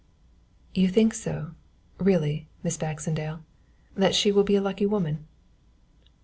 "You think so, really, Miss Baxendale, that she will be a lucky woman.